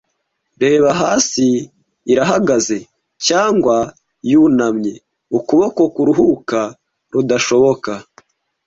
Reba hasi, irahagaze, cyangwa yunamye ukuboko kuruhuka rudashoboka,